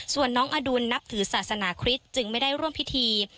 ส่วนน้องอดุลนับถือศาสนาคริสต์จึงไม่ได้ร่วมพิธี